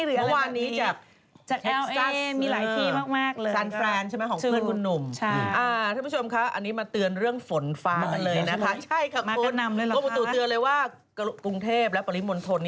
หรืออะไรแบบนี้เมื่อวานนี้จากเทคซัส